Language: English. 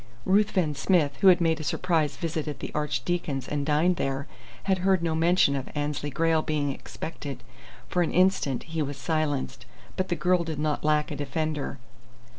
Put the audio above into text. Ruthven Smith, who had made a surprise visit at the Archdeacon's and dined there, had heard no mention of Annesley Grayle being expected. For an instant he was silenced, but the girl did not lack a defender.